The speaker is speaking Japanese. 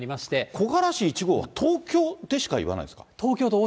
木枯らし１号は東京でしかいわないんですか？